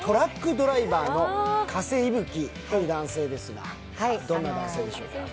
ドライバーの加瀬息吹という男性ですが、どんな男性でしょうか？